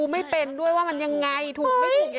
มายังไงอ่า